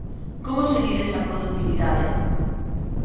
Como se mide esa produtividade?